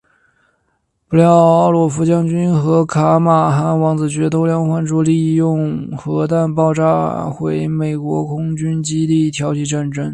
不料奥洛夫将军和卡马汉王子却偷梁换柱利用核弹炸毁美国空军基地挑起战争。